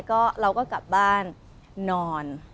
ก็เราก็กลับบ้านนอน